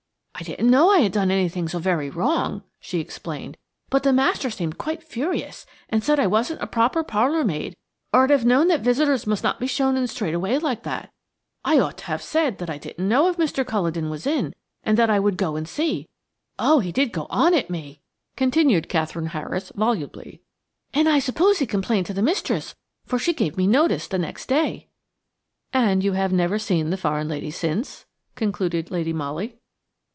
"I didn't know I 'ad done anything so very wrong," she explained, "but the master seemed quite furious, and said I wasn't a proper parlour maid, or I'd have known that visitors must not be shown in straight away like that. I ought to have said that I didn't know if Mr. Culledon was in; that I would go and see. Oh, he did go on at me!" continued Katherine Harris, volubly. "And I suppose he complained to the mistress, for she give me notice the next day." "And you have never seen the foreign lady since?" concluded Lady Molly.